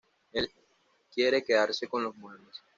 Él quiere quedarse con los muebles.